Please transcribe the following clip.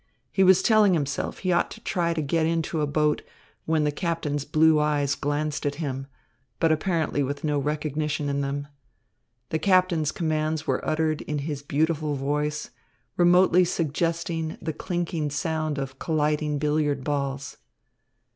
He was telling himself he ought to try to get into a boat, when the captain's blue eyes glanced at him, but apparently with no recognition in them. The captain's commands were uttered in his beautiful voice, remotely suggesting the clinking sound of colliding billiard balls.